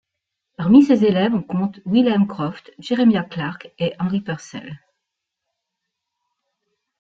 Parmi ses élèves, on compte William Croft, Jeremiah Clarke et Henry Purcell.